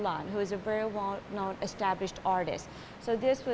yang sangat terkenal sebagai artis yang terbina